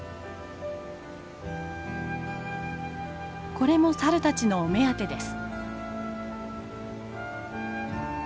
これもサルたちのお目当てです。